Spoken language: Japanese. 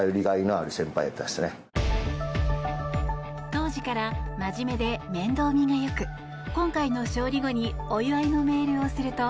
当時から真面目で面倒見がよく今回の勝利後にお祝いのメールをすると